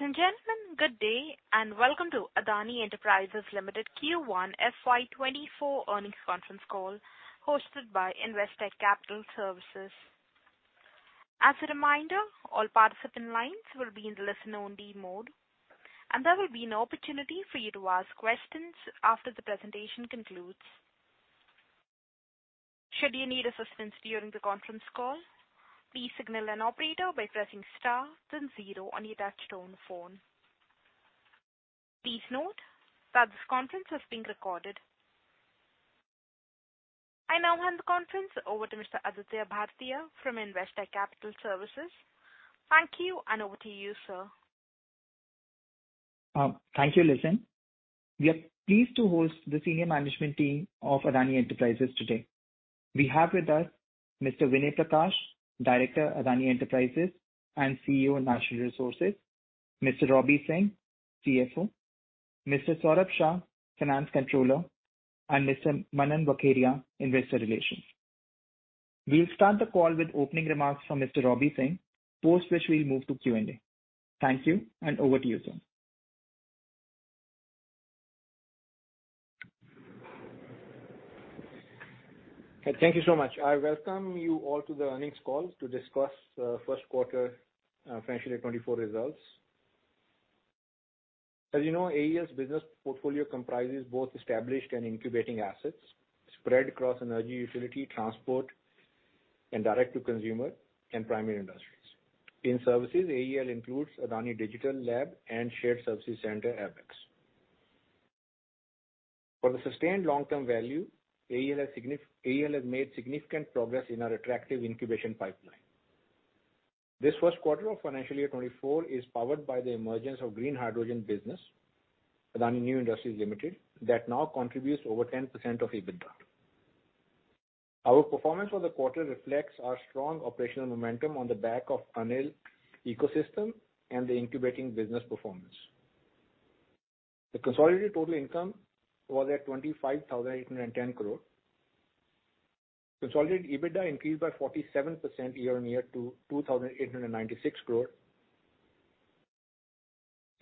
Ladies and gentlemen, good day, and welcome to Adani Enterprises Limited Q1 FY 2024 earnings conference call, hosted by Investec Capital Services. As a reminder, all participant lines will be in listen-only mode, and there will be an opportunity for you to ask questions after the presentation concludes. Should you need assistance during the conference call, please signal an operator by pressing star then zero on your touchtone phone. Please note that this conference is being recorded. I now hand the conference over to Mr. Aditya Bhartia from Investec Capital Services. Thank you, and over to you, sir. Thank you, Listen. We are pleased to host the senior management team of Adani Enterprises today. We have with us Mr. Vinay Prakash, Director, Adani Enterprises, and CEO, Natural Resources, Mr. Robbie Singh, CFO, Mr. Saurabh Shah, Finance Controller, and Mr. Manan Vakharia, Investor Relations. We'll start the call with opening remarks from Mr. Robbie Singh, post which we'll move to Q&A. Thank you, and over to you, sir. Thank you so much. I welcome you all to the earnings call to discuss first quarter financial year 2024 results. As you know, AEL's business portfolio comprises both established and incubating assets spread across energy, utility, transport, and direct-to-consumer, and primary industries. In services, AEL includes Adani Digital Labs and Shared Services Center, Apex. For the sustained long-term value, AEL has made significant progress in our attractive incubation pipeline. This first quarter of financial year 2024 is powered by the emergence of green hydrogen business, Adani New Industries Limited, that now contributes over 10% of EBITDA. Our performance for the quarter reflects our strong operational momentum on the back of ANIL ecosystem and the incubating business performance. The consolidated total income was at 25,810 crore. Consolidated EBITDA increased by 47% year-on-year to 2,896 crore.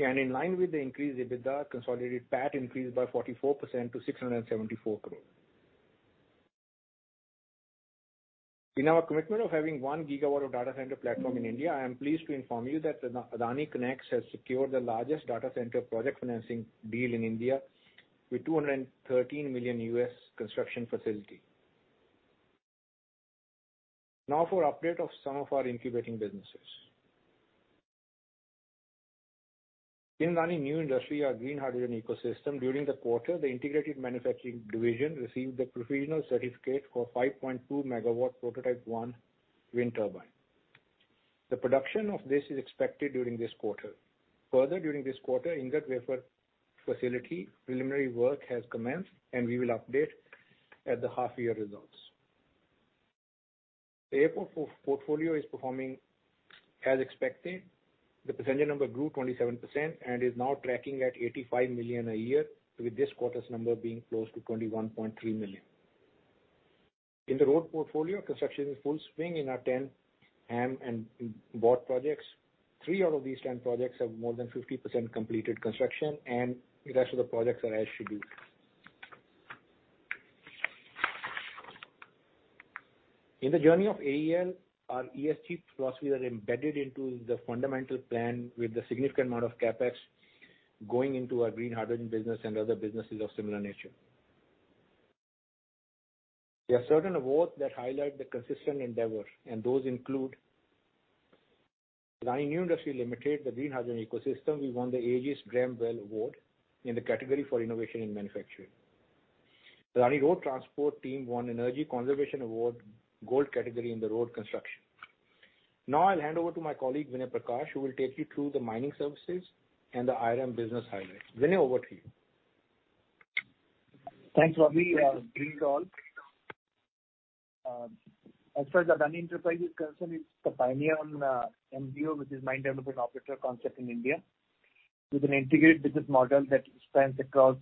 In line with the increased EBITDA, consolidated PAT increased by 44% to 674 crore. In our commitment of having 1 GW of data center platform in India, I am pleased to inform you that the AdaniConneX has secured the largest data center project financing deal in India with $213 million construction facility. For update of some of our incubating businesses. In Adani New Industry, our green hydrogen ecosystem, during the quarter, the integrated manufacturing division received the provisional certificate for 5.2 MW Prototype 1 wind turbine. The production of this is expected during this quarter. During this quarter, ingot wafer facility preliminary work has commenced, and we will update at the half-year results. The airport portfolio is performing as expected. The passenger number grew 27% and is now tracking at 85 million a year, with this quarter's number being close to 21.3 million. In the road portfolio, construction is in full swing in our 10 M and BOT projects. Three out of these 10 projects have more than 50% completed construction, and the rest of the projects are as scheduled. In the journey of AEL, our ESG philosophies are embedded into the fundamental plan with a significant amount of CapEx going into our green hydrogen business and other businesses of similar nature. There are certain awards that highlight the consistent endeavor, and those include: Adani New Industries Limited, the green hydrogen ecosystem, we won the Aegis Graham Bell Award in the category for innovation in manufacturing. Adani Road Transport team won Energy Conservation Award, Gold category in the road construction. Now I'll hand over to my colleague, Vinay Prakash, who will take you through the mining services and the IRM business highlights. Vinay, over to you. Thanks, Robbie. Greetings all. As far as Adani Enterprises is concerned, it's the pioneer on MDO, which is Mine Developer and Operator concept in India, with an integrated business model that spans across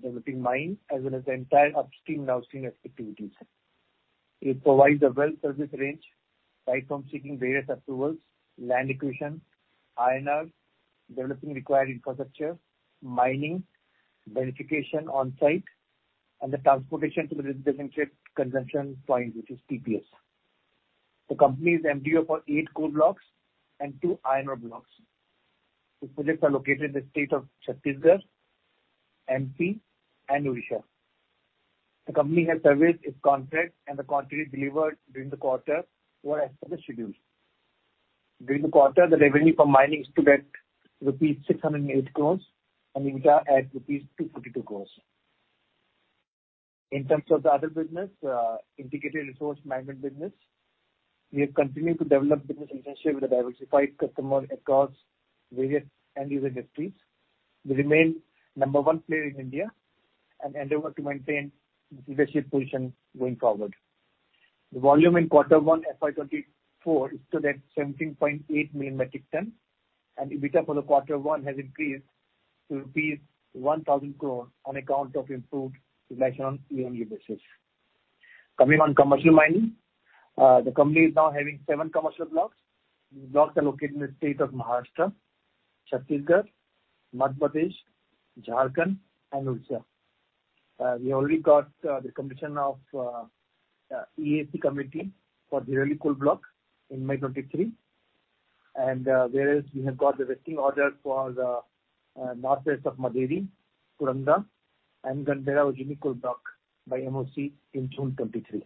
developing mine as well as the entire upstream and downstream activities. It provides a well-serviced range, right from seeking various approvals, land acquisition, INR, developing required infrastructure, mining, verification on-site, and the transportation to the designated consumption point, which is TPS. The company is MDO for eight coal blocks and two iron ore blocks. The projects are located in the state of Chhattisgarh, MP, and Odisha. The company has serviced its contract, and the quantity delivered during the quarter were as per the schedule. During the quarter, the revenue from mining stood at rupees 608 crore and EBITDA at rupees 242 crore. In terms of the other business, Integrated Resource Management business, we have continued to develop business relationship with a diversified customer across various end-user industries. We remain number one player in India and endeavor to maintain this leadership position going forward. The volume in Q1 FY2024 is stood at 17.8 million metric tons, and EBITDA for the Q1 has increased to rupees 1,000 crore on account of improved margin on year-on-year basis. Coming on commercial mining, the company is now having seven commercial blocks. The blocks are located in the state of Maharashtra, Chhattisgarh, Madhya Pradesh, Jharkhand, and Odisha. We already got the commission of EAC committee for the Dhirauli coal block in May 2023, and whereas we have got the vesting order for the northeast of Madheri, Kuranda, and Gandera coal block by MoC in June 2023.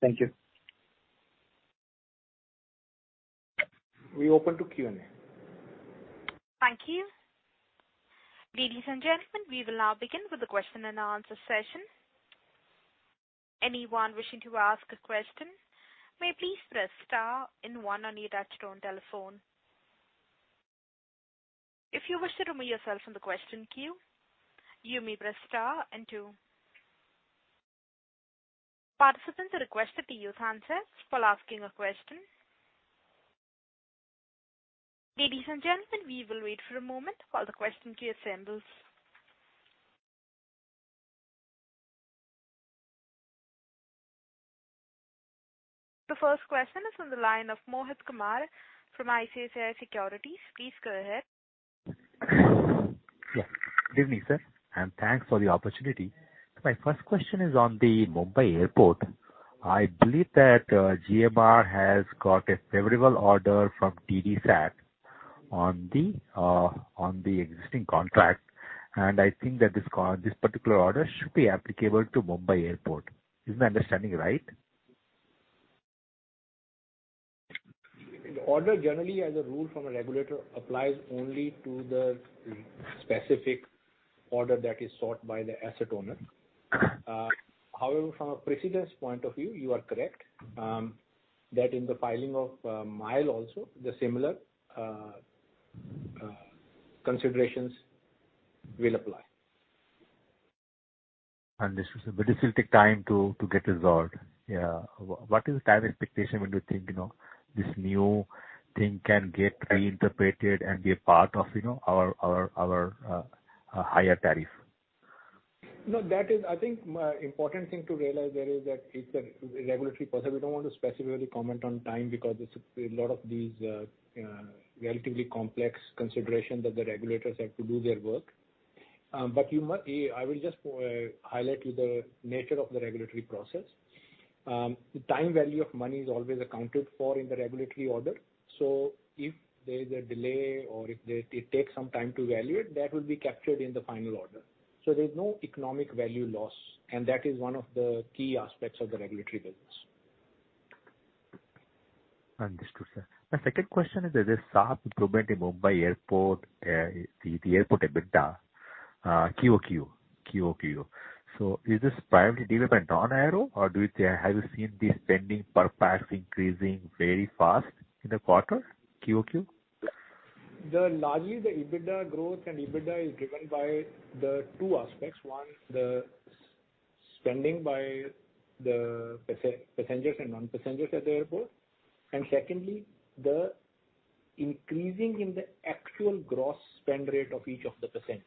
Thank you. We open to Q&A. Thank you. Ladies and gentlemen, we will now begin with the question and answer session. Anyone wishing to ask a question, may please press star and one on your touchtone telephone. If you wish to remove yourself from the question queue, you may press star and two. Participants are requested to use answers while asking a question. Ladies and gentlemen, we will wait for a moment while the question queue assembles. The first question is on the line of Mohit Kumar from ICICI Securities. Please go ahead. Yeah. Good evening, sir, and thanks for the opportunity. My first question is on the Mumbai Airport. I believe that GMR has got a favorable order from TDSAT on the existing contract, and I think that this particular order should be applicable to Mumbai Airport. Is my understanding right? The order, generally as a rule from a regulator, applies only to the specific order that is sought by the asset owner. However, from a precedence point of view, you are correct, that in the filing of, MIAL also, the similar, considerations will apply. Understood. This will take time to get resolved. Yeah. What is the time expectation when you think, you know, this new thing can get reinterpreted and be a part of, you know, our higher tariff? No, that is, I think, important thing to realize there is that it's a regulatory process. We don't want to specifically comment on time because it's a lot of these, relatively complex considerations that the regulators have to do their work. I will just, highlight you the nature of the regulatory process. The time value of money is always accounted for in the regulatory order, so if there is a delay or if it takes some time to value it, that will be captured in the final order. There's no economic value loss, and that is one of the key aspects of the regulatory business. Understood, sir. My second question is, there's a sharp improvement in Mumbai airport, the airport EBITDA, QOQ, QOQ. Is this primarily driven by non-aero, or have you seen the spending per pass increasing very fast in the quarter, QOQ? Largely the EBITDA growth and EBITDA is driven by the two aspects. One, the spending by the passengers and non-passengers at the airport. Secondly, the increasing in the actual gross spend rate of each of the passenger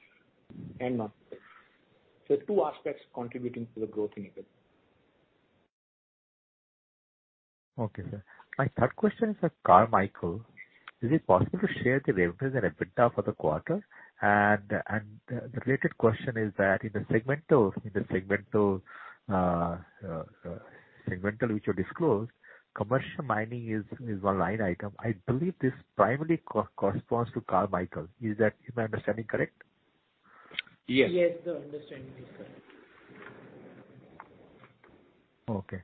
and non. Two aspects contributing to the growth in EBITDA. Okay, sir. My third question is on Carmichael. Is it possible to share the revenues and EBITDA for the quarter? The related question is that in the segmental, in the segmental, segmental, which you disclosed, commercial mining is, is one line item. I believe this primarily corresponds to Carmichael. Is my understanding correct? Yes. Yes, the understanding is correct. Okay.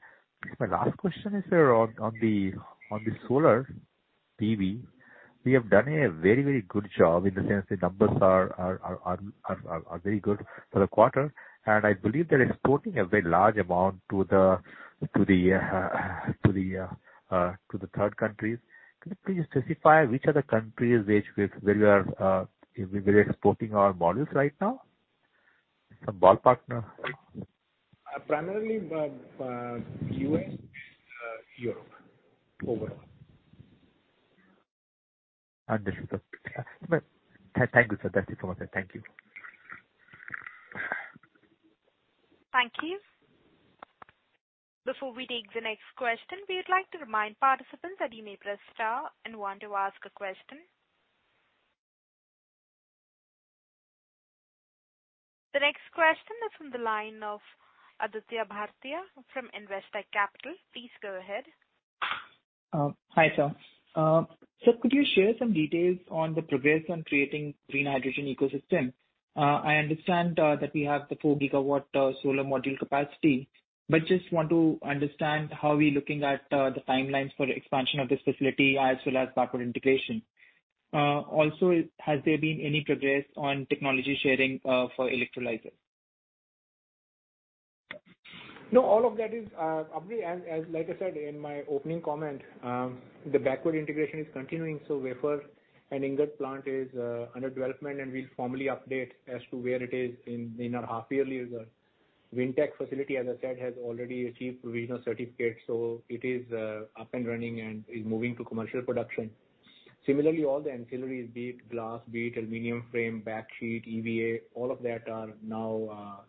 My last question is, sir, on the solar PV, we have done a very, very good job in the sense the numbers are very good for the quarter, and I believe they're exporting a very large amount to the third countries. Can you please specify which are the countries which, where you are exporting our modules right now? Some ballpark number. Primarily, U.S. and Europe, overall. Understood. Thank you, sir. That's it from my side. Thank you. Thank you. Before we take the next question, we'd like to remind participants that you may press star and one to ask a question. The next question is from the line of Aditya Bhartia from Investec Capital. Please go ahead. Hi, sir. Sir, could you share some details on the progress on creating green hydrogen ecosystem? I understand that we have the 4 gigawatt solar module capacity, but just want to understand how we're looking at the timelines for expansion of this facility as well as backward integration. Also, has there been any progress on technology sharing for electrolyzer? No, all of that is obviously, as, as like I said in my opening comment, the backward integration is continuing, so wafer and ingot plant is under development and we'll formally update as to where it is in, in our half-yearly result. Wind tech facility, as I said, has already achieved provisional certificate, so it is up and running and is moving to commercial production. similarly, all the ancillaries, be it glass, be it aluminum frame, back sheet, EVA, all of that are now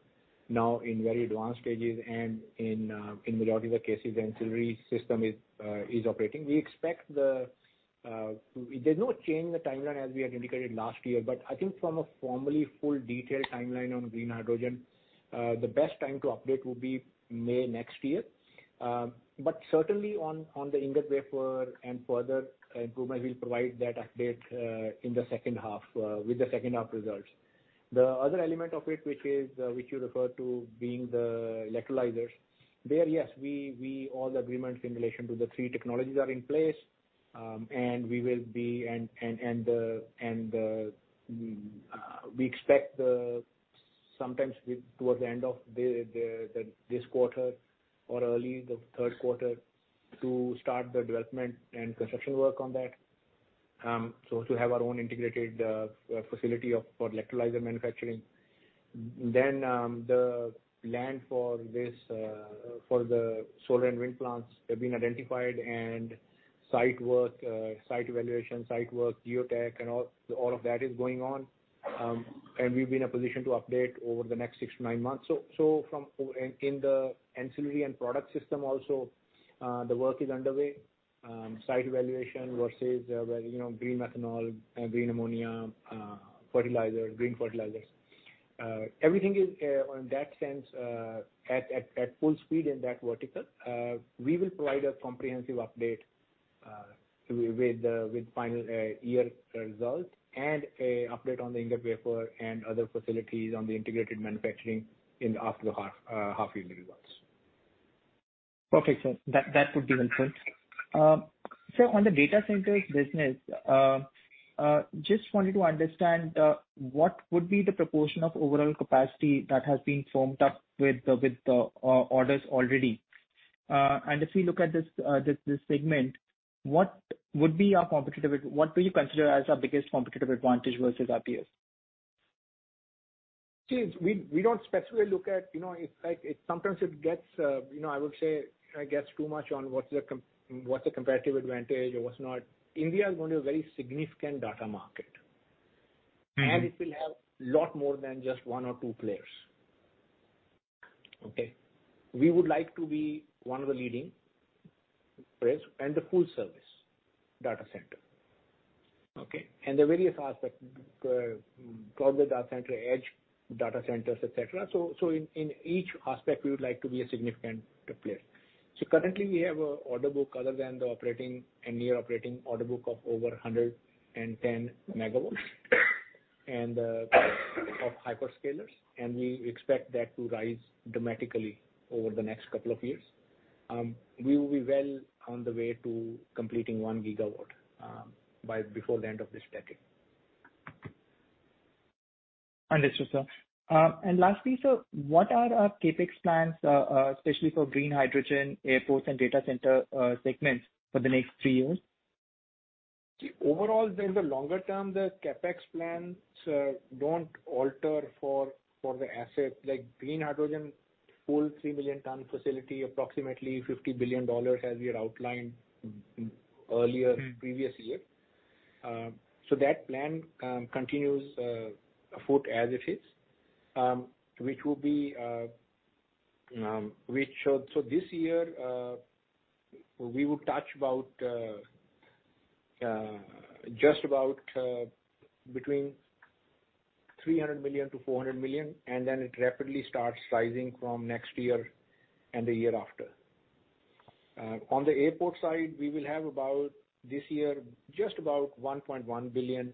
now in very advanced stages, and in majority of the cases, the ancillary system is operating. We expect the there's no change in the timeline as we had indicated last year, but I think from a formally full detailed timeline on green hydrogen, the best time to update will be May next year. Certainly on, on the ingot wafer and further improvement, we'll provide that update in the second half with the second half results. The other element of it, which is which you referred to being the electrolyzers. There, yes, we, we all the agreements in relation to the three technologies are in place, and we will be... We expect the sometimes with towards the end of this quarter or early the third quarter to start the development and construction work on that. To have our own integrated facility of, for electrolyzer manufacturing. The land for this for the solar and wind plants have been identified and site work, site evaluation, site work, geotech, and all, all of that is going on. We'll be in a position to update over the next 6 to 9 months. In the ancillary and product system also, the work is underway. Site evaluation versus, where, you know, green methanol and green ammonia, fertilizer, green fertilizers. Everything is on that sense, at full speed in that vertical. We will provide a comprehensive update with the, with final year results and a update on the ingot wafer and other facilities on the integrated manufacturing in after the half, half-yearly results. Okay, sir. That, that would be helpful. Sir, on the data centers business, just wanted to understand, what would be the proportion of overall capacity that has been firmed up with the, with the, orders already? And if we look at this, this, this segment, what would be your competitive ad- what do you consider as our biggest competitive advantage versus our peers? See, we, we don't specifically look at, you know, it's like it's sometimes it gets, you know, I would say, it gets too much on what's the competitive advantage or what's not. India is going to be a very significant data market. Mm-hmm. It will have lot more than just one or two players. Okay. We would like to be one of the leading players and a full service data center, okay. There are various aspects, cloud data center, edge data centers, et cetera. In each aspect, we would like to be a significant player. Currently, we have a order book, other than the operating and near operating order book of over 110 MW, and of hyperscalers, and we expect that to rise dramatically over the next couple of years. We will be well on the way to completing 1 GW by before the end of this decade. Understood, sir. Lastly, sir, what are our CapEx plans, especially for green hydrogen, airports, and data center segments for the next three years? Overall, in the longer term, the CapEx plans don't alter for, for the asset. Like green hydrogen, full 3 million ton facility, approximately $50 billion, as we had outlined earlier. Mm. - previous year. That plan continues afoot as it is. Which will be. This year, we will touch about just about between $300 million-$400 million, then it rapidly starts rising from next year and the year after. On the airport side, we will have about, this year, just about $1.1 billion.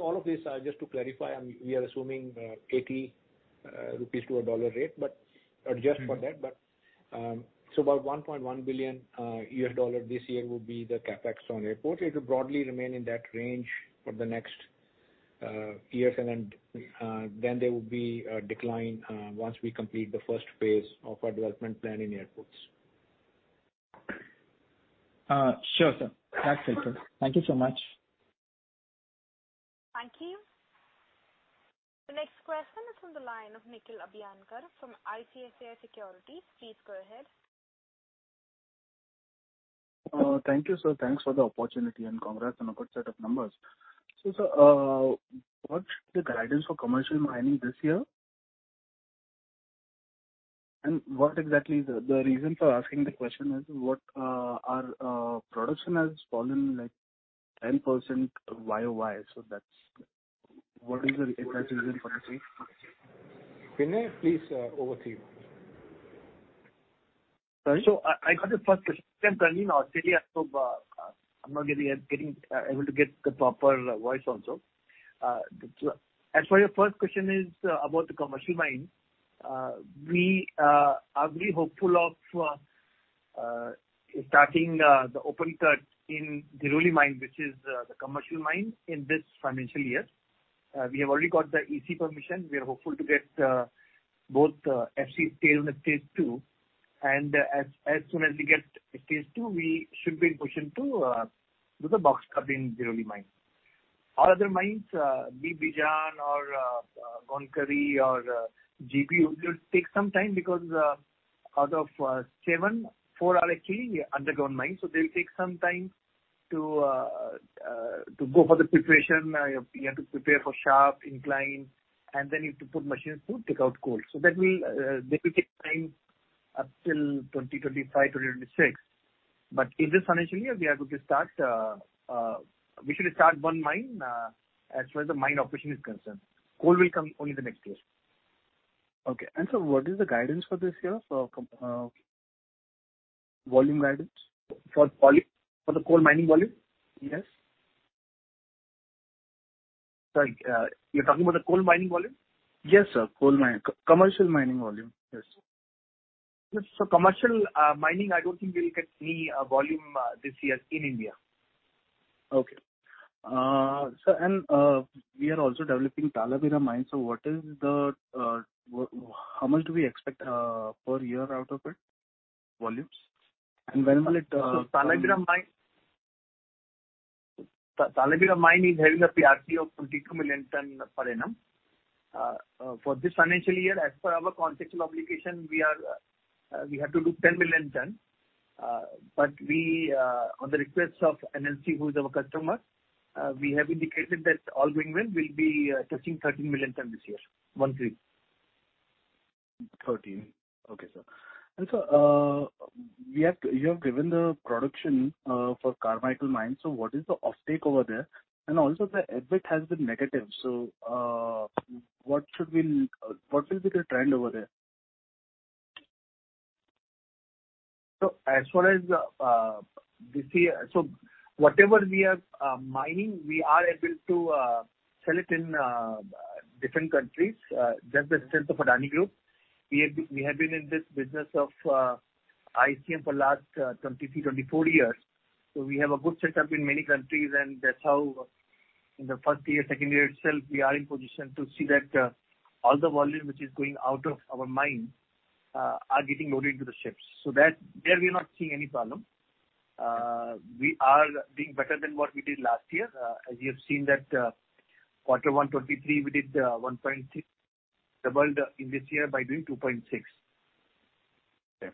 All of these are just to clarify, we are assuming 80 rupees to a dollar rate, but adjust for that. Mm-hmm. About $1.1 billion this year will be the CapEx on airport. It will broadly remain in that range for the next years, and then there will be a decline once we complete the first phase of our development plan in airports. Sure, sir. Thanks, sir. Thank you so much. Thank you. The next question is on the line of Nikhil Abhyankar from ICICI Securities. Please go ahead. Thank you, sir. Thanks for the opportunity, and congrats on a good set of numbers. Sir, what's the guidance for commercial mining this year? What exactly is the reason for asking the question is, our production has fallen, like, 10% YOY, so what is the exact reason for the same? Vinay, please, over to you. Sorry? I, I got the first question currently in Australia, I'm not getting able to get the proper voice also. As for your first question is about the commercial mine. We are very hopeful of starting the open cut in Dhiroli mine, which is the commercial mine, in this financial year. We have already got the EC permission. We are hopeful to get both FC Stage I and Stage Two. As soon as we get Stage Two, we should be in position to do the box cutting Dhiroli mine. Our other mines, be Bijan or Colquiri or GPU, will take some time because out of 7, 4 are actually underground mines, so they'll take some time to go for the preparation. You have to prepare for shaft incline, and then you need to put machines to take out coal. That will take time up till 2025, 2026. In this financial year, we are going to start, we should start 1 mine, as far as the mine operation is concerned. Coal will come only the next year. Okay. So what is the guidance for this year for, volume guidance? For poly? For the coal mining volume? Yes. Sorry, you're talking about the coal mining volume? Yes, sir. Coal mining. C-commercial mining volume. Yes. Yes. Commercial mining, I don't think we'll get any volume this year in India. Okay. We are also developing Talabira mine, so what is the how much do we expect per year out of it, volumes? When will it? Talabira mine, Talabira mine is having a PRC of 22 million ton per annum. For this financial year, as per our contractual obligation, we are we have to do 10 million ton. We on the request of NLC, who is our customer, we have indicated that all going well, we'll be touching 13 million ton this year. One three. 13. Okay, sir. You have given the production for Carmichael mine, what is the offtake over there? The EBIT has been negative, what should we, what will be the trend over there? As far as this year. Whatever we are mining, we are able to sell it in different countries, that's the strength of Adani Group. We have been, we have been in this business of IRM for last 23, 24 years, so we have a good setup in many countries, and that's how in the first year, second year itself, we are in position to see that all the volume which is going out of our mine are getting loaded into the ships. That, there we're not seeing any problem. We are doing better than what we did last year. As you have seen that Q1 2023, we did 1.6, doubled in this year by doing 2.6. Okay.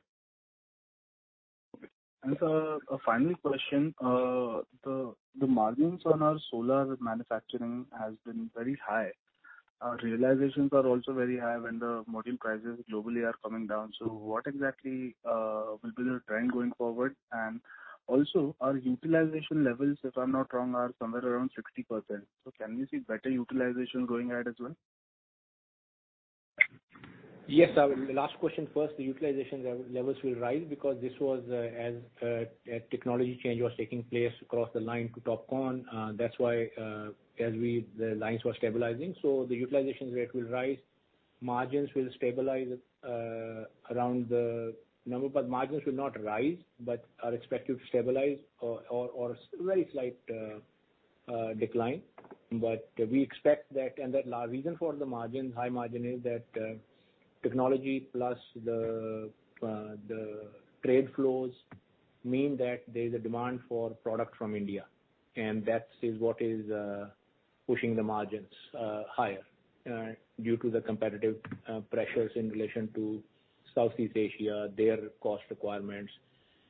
A final question. The margins on our solar manufacturing has been very high. Our realizations are also very high when the module prices globally are coming down, what exactly will be the trend going forward? Also, our utilization levels, if I'm not wrong, are somewhere around 60%. Can we see better utilization going ahead as well? Yes, the last question first, the utilization le-levels will rise because this was, as, a technology change was taking place across the line to TOPCon. That's why, as we-- the lines were stabilizing, so the utilization rate will rise. Margins will stabilize around the number, but margins will not rise, but are expected to stabilize or, or, or very slight decline. We expect that, and the reason for the margins, high margin, is that, technology plus the, the trade flows mean that there's a demand for product from India, and that is what is pushing the margins higher due to the competitive pressures in relation to Southeast Asia, their cost requirements,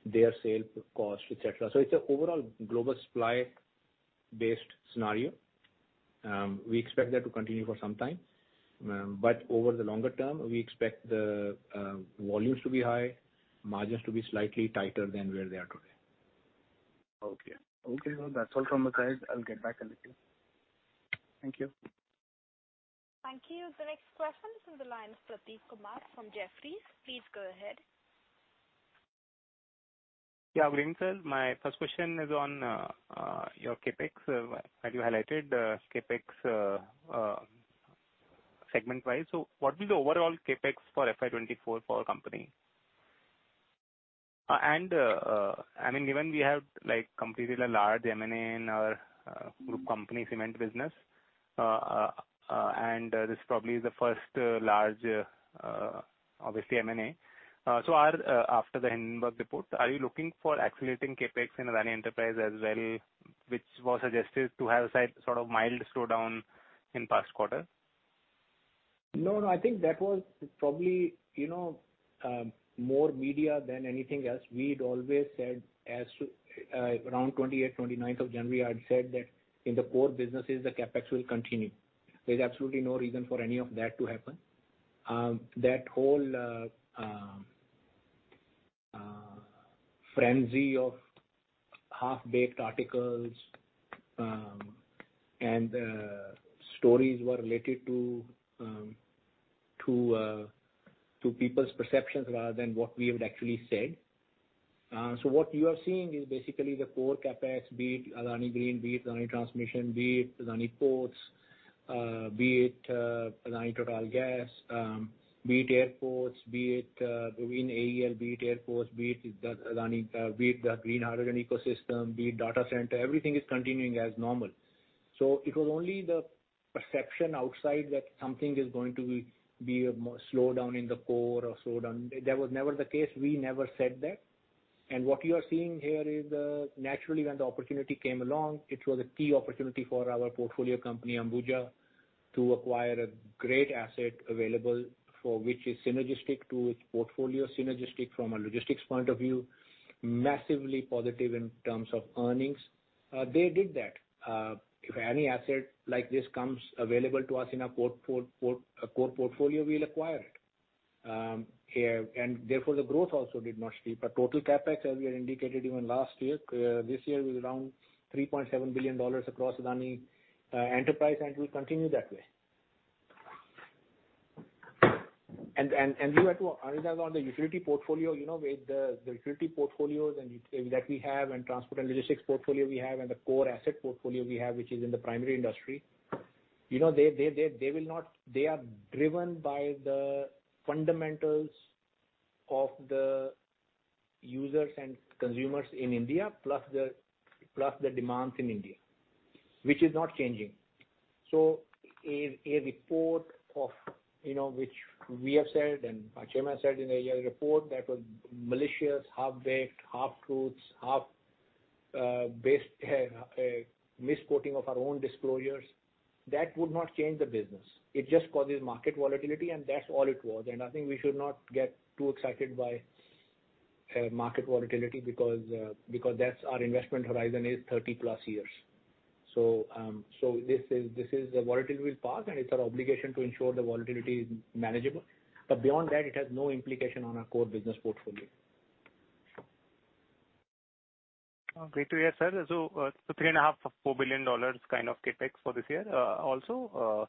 their sales cost, et cetera. It's an overall global supply-based scenario. We expect that to continue for some time, but over the longer term, we expect the volumes to be high, margins to be slightly tighter than where they are today. Okay. Okay, well, that's all from my side. I'll get back with you. Thank you. Thank you. The next question is from the line of Prateek Kumar from Jefferies. Please go ahead. Yeah, good evening, sir. My first question is on your Capex. Have you highlighted the Capex segment-wise? What is the overall Capex for FY 2024 for company? I mean, given we have, like, completed a large M&A in our group company cement business, and this is probably the first large, obviously, M&A. Are after the Hindenburg report, are you looking for accelerating Capex in Adani Enterprises as well, which was suggested to have a sort of mild slowdown in past quarter? No, no, I think that was probably, you know, more media than anything else. We'd always said as around 28th, 29th of January, I'd said that in the core businesses, the CapEx will continue. There's absolutely no reason for any of that to happen. That whole frenzy of half-baked articles and stories were related to people's perceptions rather than what we have actually said. What you are seeing is basically the core CapEx, be it Adani Green, be it Adani Transmission, be it Adani Ports, be it Adani Total Gas, be it airports, be it green AEL, be it airports, be it Adani, be it the green hydrogen ecosystem, be it data center, everything is continuing as normal. It was only the perception outside that something is going to be a slowdown in the core or slowdown. That was never the case. We never said that. What you are seeing here is, naturally, when the opportunity came along, it was a key opportunity for our portfolio company, Ambuja, to acquire a great asset available for which is synergistic to its portfolio, synergistic from a logistics point of view, massively positive in terms of earnings. They did that. If any asset like this comes available to us in a port, a core portfolio, we'll acquire it. Yeah, and therefore, the growth also did not steep. Total CapEx, as we had indicated even last year, this year was around $3.7 billion across Adani Enterprises, and will continue that way. With regard on the utility portfolio, you know, with the, the utility portfolios and that we have and transport and logistics portfolio we have and the core asset portfolio we have, which is in the primary industry. You know, they, they, they will not. They are driven by the fundamentals of the users and consumers in India, plus the demands in India, which is not changing. A report of, you know, which we have said and our chairman said in the annual report, that was malicious, half-baked, half-truths, half-based misquoting of our own disclosures. That would not change the business. It just causes market volatility, and that's all it was. I think we should not get too excited by market volatility because that's our investment horizon is 30-plus years. This is the volatility will pass, and it's our obligation to ensure the volatility is manageable. Beyond that, it has no implication on our core business portfolio. Great to hear, sir. $3.5 billion-$4 billion kind of CapEx for this year. Also,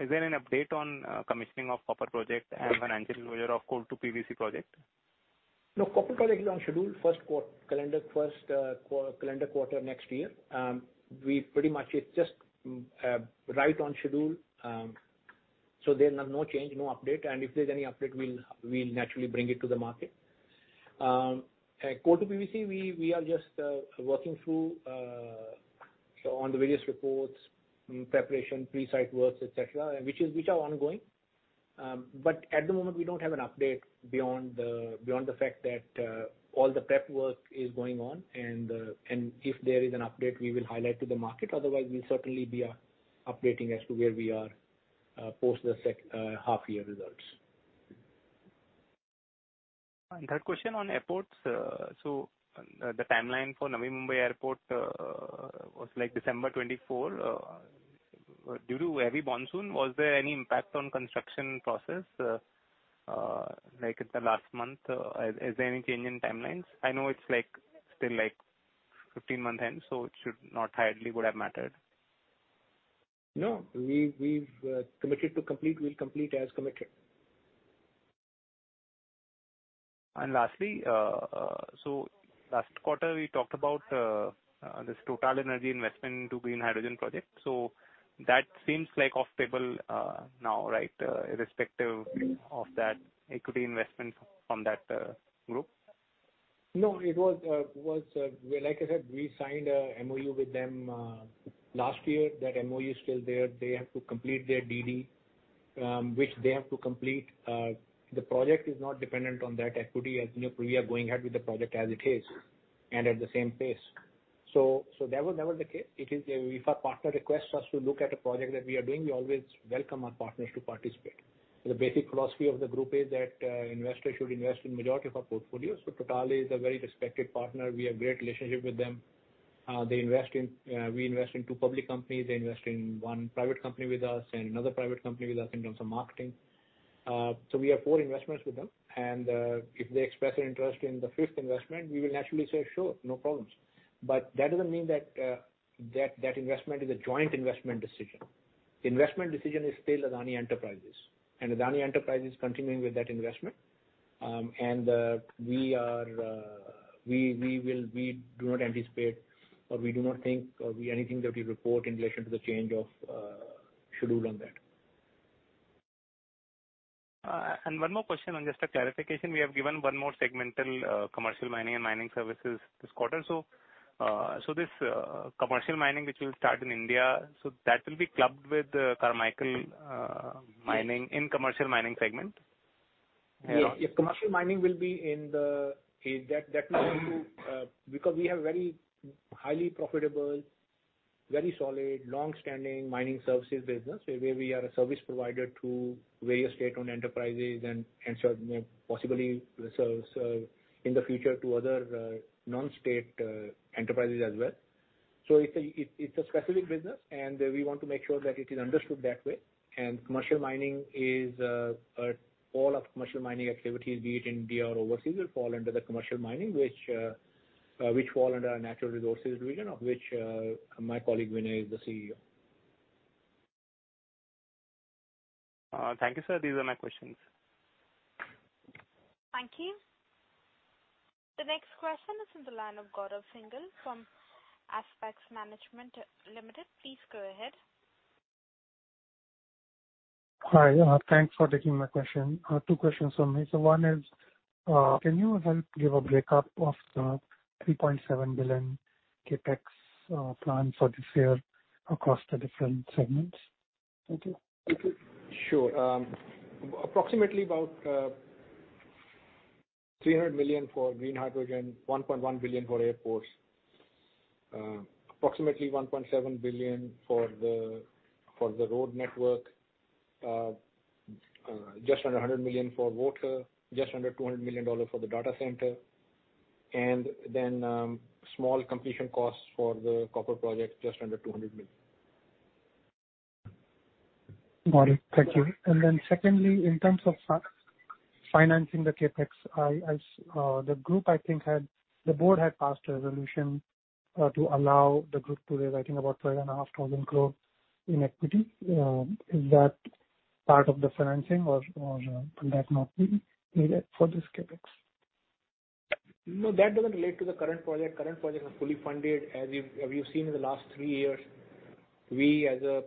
is there an update on commissioning of Copper Project and when closure of Coal to PVC project? No, Copper Project is on schedule, first calendar, first, calendar quarter next year. We pretty much it's just right on schedule. There are no change, no update, and if there's any update, we'll, we'll naturally bring it to the market. Coal to PVC, we, we are just working through, so on the various reports, preparation, pre-site works, et cetera, and which is, which are ongoing. At the moment, we don't have an update beyond the, beyond the fact that all the prep work is going on, and if there is an update, we will highlight to the market. Otherwise, we'll certainly be updating as to where we are post the sec half year results. n airports. The timeline for Navi Mumbai Airport was like December 2024. Due to heavy monsoon, was there any impact on construction process like in the last month? Is there any change in timelines? I know it's like still like 15 months end, so it should not highly would have mattered. No, we've committed to complete. We'll complete as committed. Lastly, last quarter, we talked about this TotalEnergies SE investment to be in hydrogen project. That seems like off table now, right? Irrespective of that equity investment from that group. It was like I said, we signed a MoU with them last year. That MoU is still there. They have to complete their DD, which they have to complete. The project is not dependent on that equity, as you know, we are going ahead with the project as it is and at the same pace. That was, that was it is a, if a partner requests us to look at a project that we are doing, we always welcome our partners to participate. The basic philosophy of the group is that investors should invest in majority of our portfolios. TotalEnergies is a very respected partner. We have great relationship with them. They invest in, we invest in 2 public companies. They invest in one private company with us and another private company with us in terms of marketing. We have four investments with them, and if they express their interest in the fifth investment, we will naturally say: Sure, no problems. That doesn't mean that, that, that investment is a joint investment decision. Investment decision is still Adani Enterprises, and Adani Enterprises is continuing with that investment. We are, we, we will, we do not anticipate, or we do not think, or we anything that we report in relation to the change of, schedule on that. One more question, and just a clarification. We have given one more segmental, commercial mining and mining services this quarter. This commercial mining, which will start in India, so that will be clubbed with Carmichael mining in commercial mining segment? Yes. Yeah, commercial mining will be in the, that, that will be... Because we have very highly profitable, very solid, long-standing mining services business, where we are a service provider to various state-owned enterprises and, and so, possibly, so, so in the future to other, non-state, enterprises as well. So it's a, it's, it's a specific business, and we want to make sure that it is understood that way. Commercial mining is, all of commercial mining activities, be it in India or overseas, will fall under the commercial mining, which, which fall under our Natural Resources region, of which, my colleague, Vinay, is the CEO. Thank you, sir. These are my questions. Thank you. The next question is on the line of Gaurav Singhal from Aspex Management Limited. Please go ahead. Hi, thanks for taking my question. Two questions from me. One is, can you help give a breakup of 3.7 billion CapEx plan for this year across the different segments?... Sure. Approximately about $300 million for green hydrogen, $1.1 billion for airports, approximately $1.7 billion for the road network, just under $100 million for water, just under $200 million for the data center, and then, small completion costs for the Copper Project, just under $200 million. Got it. Thank you. Secondly, in terms of fi- financing the CapEx, I, I, the group I think had-- the board had passed a resolution, to allow the group to raise, I think, about 12,500 crore in equity. Is that part of the financing or, or could that not be needed for this CapEx? No, that doesn't relate to the current project. Current projects are fully funded. As you've seen in the last 3 years, we as a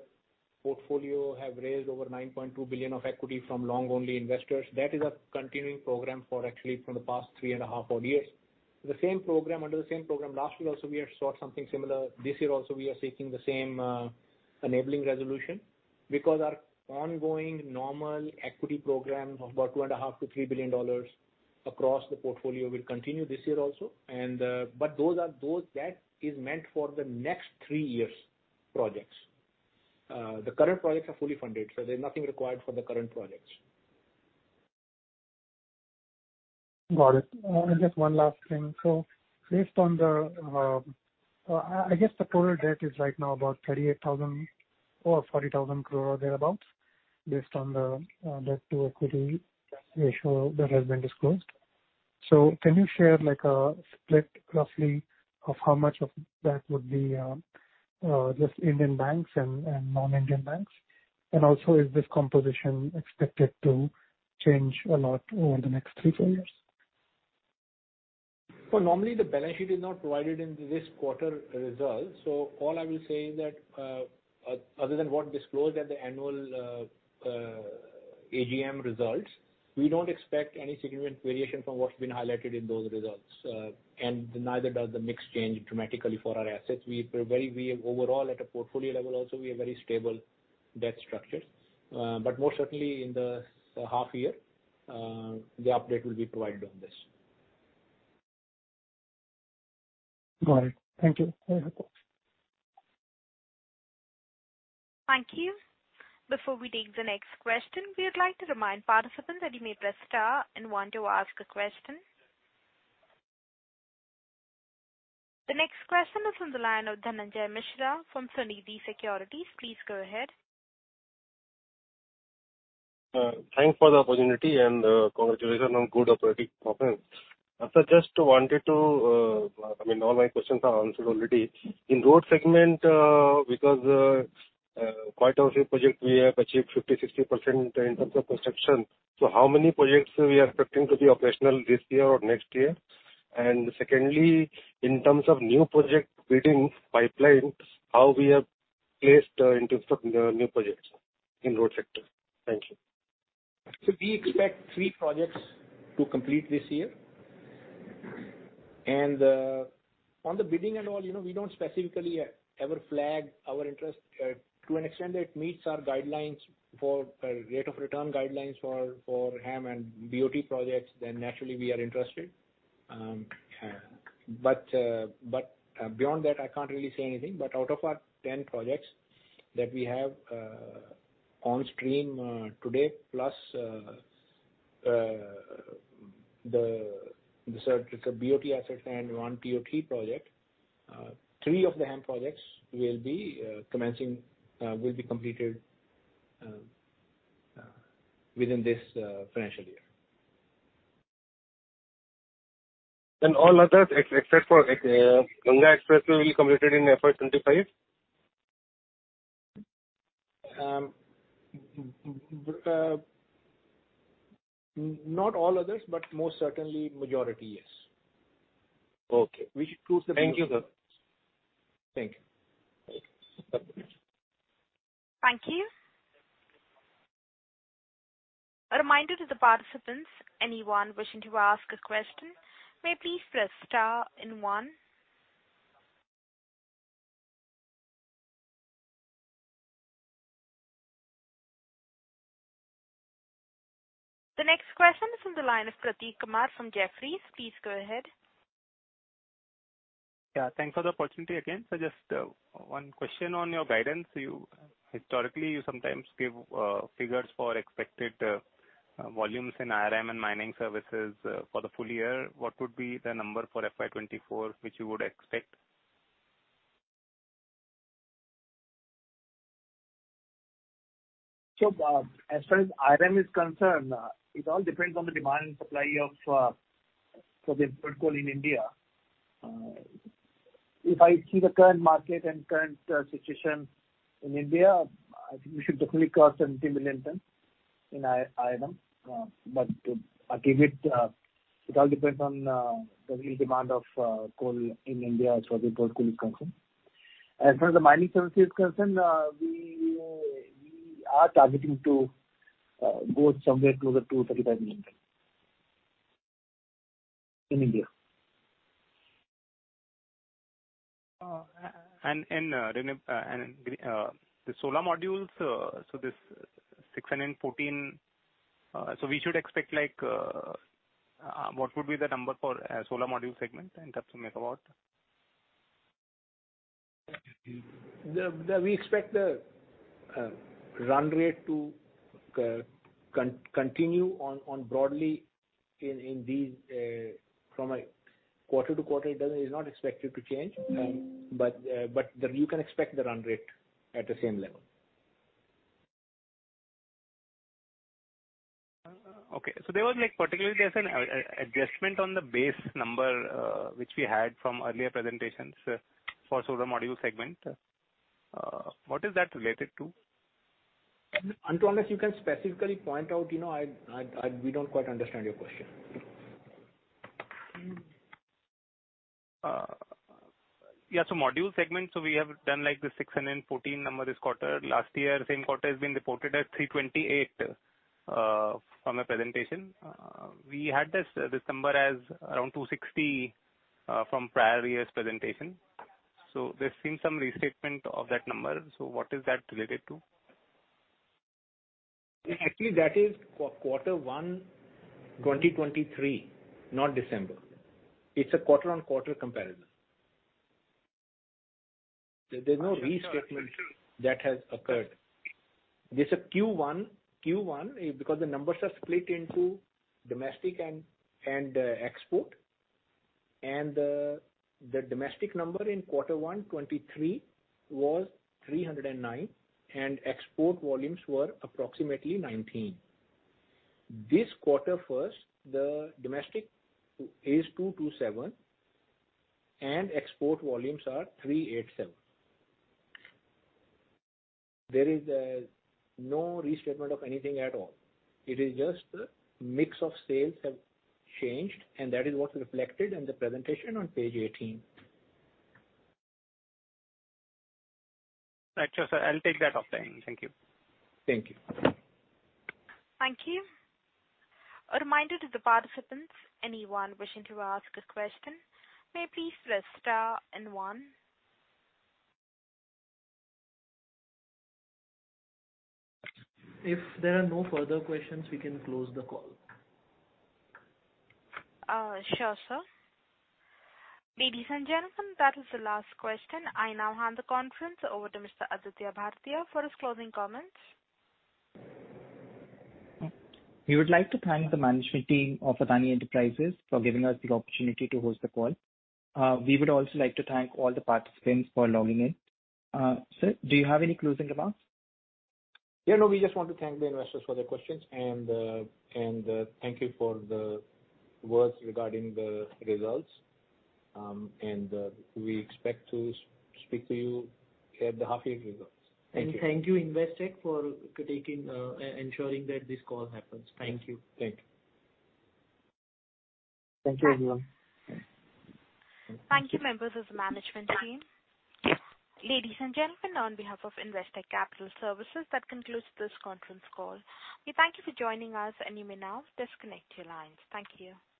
portfolio have raised over $9.2 billion of equity from long-only investors. That is a continuing program for actually from the past 3.5-4 years. The same program, under the same program, last year also, we have sought something similar. This year also, we are seeking the same enabling resolution, because our ongoing normal equity program of about $2.5 billion-$3 billion across the portfolio will continue this year also. Those that is meant for the next 3 years' projects. The current projects are fully funded, so there's nothing required for the current projects. Got it. just one last thing. Based on the... I, I guess the total debt is right now about 38,000 crore or 40,000 crore, thereabout, based on the debt-to-equity ratio that has been disclosed. Can you share, like, a split roughly of how much of that would be just Indian banks and non-Indian banks? Also, is this composition expected to change a lot over the next three, four years? Well, normally the balance sheet is not provided in this quarter results. All I will say is that, other than what disclosed at the annual AGM results, we don't expect any significant variation from what's been highlighted in those results, and neither does the mix change dramatically for our assets. We are very, we are overall at a portfolio level, also, we are very stable debt structure. Most certainly in the half year, the update will be provided on this. Got it. Thank you. Thank you. Before we take the next question, we would like to remind participants that you may press star and one to ask a question. The next question is from the line of Dhananjay Mishra from Sunidhi Securities. Please go ahead. Thanks for the opportunity, and congratulations on good operating performance. I just wanted to, I mean, all my questions are answered already. In road segment, because quite a few projects we have achieved 50%-60% in terms of construction. So how many projects are we expecting to be operational this year or next year? Secondly, in terms of new project bidding pipelines, how we have placed in terms of the new projects in road sector? Thank you. We expect 3 projects to complete this year. On the bidding and all, you know, we don't specifically ever flag our interest. To an extent that meets our guidelines for rate of return guidelines for HAM and BOT projects, then naturally we are interested. Beyond that, I can't really say anything. Out of our 10 projects that we have on stream today, plus the BOT assets and 1 PoP project, 3 of the HAM projects will be commencing, will be completed within this financial year. All others, except for Ganga Expressway, will be completed in FY 25? Not all others, but most certainly majority, yes. Okay. We should close the- Thank you, sir. Thank you. Thank you. Thank you. A reminder to the participants, anyone wishing to ask a question, may please press star and one. The next question is from the line of Prateek Kumar from Jefferies. Please go ahead. Yeah, thanks for the opportunity again. Just one question on your guidance. You historically, you sometimes give figures for expected volumes in IRM and mining services for the full year. What would be the number for FY 2024, which you would expect? As far as IRM is concerned, it all depends on the demand and supply for the coal in India. If I see the current market and current situation in India, I think we should definitely cross 17 million tons in IRM. Again, it all depends on the real demand of coal in India, as far as coal is concerned. As far as the mining services is concerned, we are targeting to go somewhere closer to 35 million tons in India.... and, and, and, the solar modules, so this 614, so we should expect, like, what would be the number for solar module segment in terms of megawatt? The, the, we expect the run rate to continue on, on broadly in, in these, from a quarter to quarter, it is not expected to change. You can expect the run rate at the same level. Okay. There was, like, particularly there's an adjustment on the base number, which we had from earlier presentations, for solar module segment. What is that related to? Until and unless you can specifically point out, you know. We don't quite understand your question. Yeah, module segment, we have done the 614 number this quarter. Last year, same quarter has been reported as 328 from a presentation. We had this, this number as around 260 from prior year's presentation. There's been some restatement of that number, so what is that related to? Actually, that is quarter one, 2023, not December. It's a quarter-on-quarter comparison. There's no restatement that has occurred. This is Q1, Q1, because the numbers are split into domestic and export. The domestic number in quarter one, 2023, was 309, and export volumes were approximately 19. This quarter first, the domestic is 227, and export volumes are 387. There is no restatement of anything at all. It is just a mix of sales have changed, and that is what's reflected in the presentation on page 18. Right. Sure, sir, I'll take that offline. Thank you. Thank you. Thank you. A reminder to the participants, anyone wishing to ask a question, may please press star and one. If there are no further questions, we can close the call. Sure, sir. Ladies and gentlemen, that is the last question. I now hand the conference over to Mr. Aditya Bhartia for his closing comments. We would like to thank the management team of Adani Enterprises for giving us the opportunity to host the call. We would also like to thank all the participants for logging in. Sir, do you have any closing remarks? Yeah, no, we just want to thank the investors for their questions, and thank you for the words regarding the results. We expect to speak to you at the half year results. Thank you. Thank you, Investec, for taking, ensuring that this call happens. Thank you. Thank you. Thank you, everyone. Thank you, members of the management team. Ladies and gentlemen, on behalf of Investec Capital Services, that concludes this conference call. We thank you for joining us, and you may now disconnect your lines. Thank you.